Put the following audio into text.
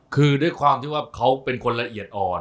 คือด้วยความที่ว่าเขาเป็นคนละเอียดอ่อน